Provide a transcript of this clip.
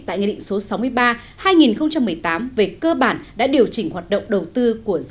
tại ngày định số sáu mươi ba hai nghìn một mươi tám về cơ bản đã điều chỉnh hoạt động đầu tư